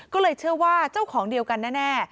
ก็เลยเชื่อว่าเจ้าของเดียวกันแน่